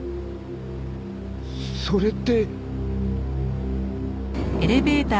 それって。